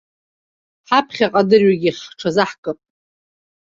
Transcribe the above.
Ҳаԥхьаҟа адырҩегьых ҳҽазаҳкып.